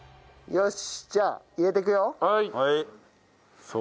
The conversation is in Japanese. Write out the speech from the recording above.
よし。